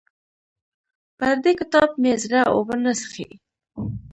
پر دې کتاب مې زړه اوبه نه څښي.